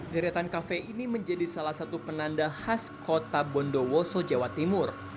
deretan kafe ini menjadi salah satu penanda khas kota bondowoso jawa timur